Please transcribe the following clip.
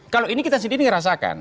kalau ini kita sendiri ngerasakan